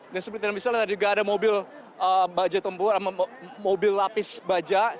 dan seperti anda bisa lihat tidak ada mobil baja tempur mobil lapis baja